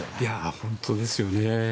本当ですよね。